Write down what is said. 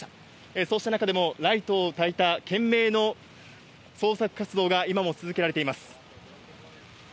そうした中でもライトをたいた懸命の捜索活動が今も続けられています。